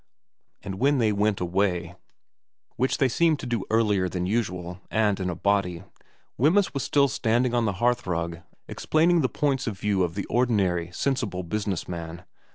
And when they went away, which they seemed to do earlier than usual and in a body, Wemyss was still standing on the hearthrug explaining the points of view of the ordinary, sensible business man.